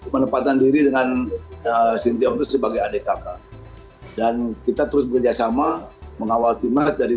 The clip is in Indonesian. tempatan diri dengan sintayong sebagai adik kakak dan kita terus bekerjasama mengawal timas dari